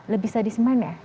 lebih sadis mana